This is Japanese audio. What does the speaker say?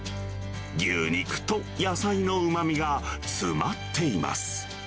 牛肉と野菜のうまみが詰まっています。